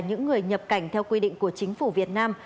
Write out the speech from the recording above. những người nhập cảnh theo quy định của chính phủ việt nam